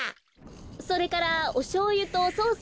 それからおしょうゆとソース